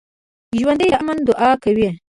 ژوندي د امن دعا کوي